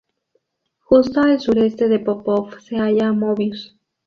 Justo al sureste de Popov se halla Möbius.